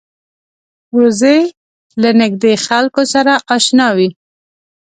وزې له نږدې خلکو سره اشنا وي